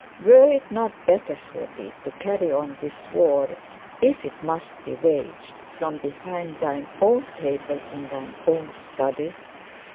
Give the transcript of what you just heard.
Were it not better for thee to carry on this war, if it must be waged, from behind thine own table in thine own study?